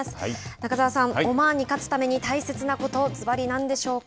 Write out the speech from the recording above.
中澤さん、オマーンに勝つために大切なことずばり何でしょうか。